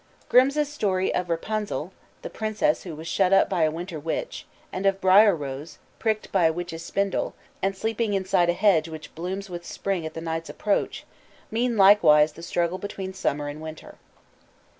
Grimms' story of Rapunzel, the princess who was shut up by a winter witch, and of Briar Rose, pricked by a witch's spindle, and sleeping inside a hedge which blooms with spring at the knight's approach, mean likewise the struggle between summer and winter.